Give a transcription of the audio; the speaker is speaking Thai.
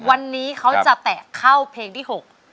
วันนี้เขาจะแตะเข้าเพลงที่๖